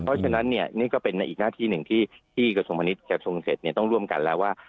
เพราะฉะนั้นเนี่ยนี่ก็เป็นในอีกหน้าที่หนึ่งที่กระทรวงพาณิชยกระทรวงเสร็จต้องร่วมกันแล้วว่า